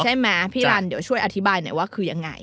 ใช่ไหมพี่รันเดี๋ยวช่วยอธิบายหน่อยว่าคือยังไง